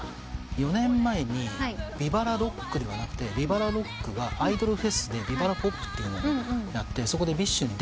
４年前にＶＩＶＡＬＡＲＯＣＫではなくてＶＩＶＡＬＡＲＯＣＫがアイドルフェスでビバラポップ！というのをやってそこでＢｉＳＨに出ていただいて。